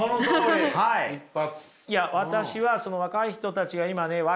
一発。